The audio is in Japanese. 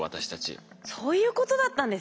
そういうことだったんですね。